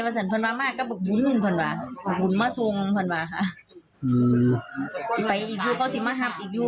แต่เพียงอย่างเดียวนะคะ